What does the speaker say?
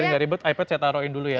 biar gak ribet ipad saya taruhin dulu ya